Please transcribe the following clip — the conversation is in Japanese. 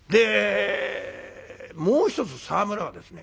もう一つ沢村はですね